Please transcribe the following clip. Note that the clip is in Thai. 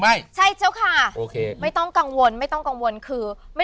ไม่ใช่เจ้าค่ะโอเคไม่ต้องกังวลไม่ต้องกังวลคือไม่